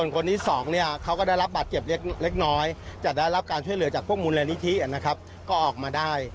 คนที่๒เขาก็ได้รับบาดเจ็บเล็กน้อยจะได้รับการช่วยเหลือจากพวกมูลนิธินะครับก็ออกมาได้